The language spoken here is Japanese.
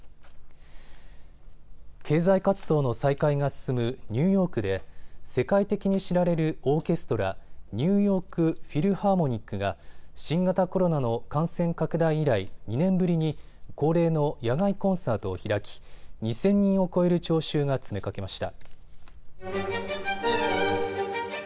経済活動の再開が進むニューヨークで世界的に知られるオーケストラ、ニューヨーク・フィルハーモニックが新型コロナの感染拡大以来２年ぶりに恒例の野外コンサートを開き２０００人を超える聴衆が詰めかけました。